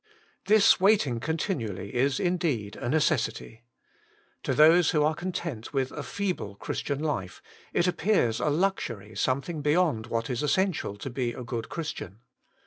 This waiting continnally is indeed a necessity. To those who are content with a feeble Christian life, it appears a luxury something beyond what ifi essential to be a good Christian.